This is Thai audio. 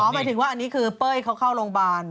หมายถึงว่าอันนี้คือเป้ยเขาเข้าโรงพยาบาล